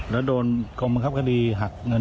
แล้วโดนกรมบังคับคดีหักเงิน